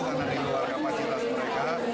karena di luar kapasitas mereka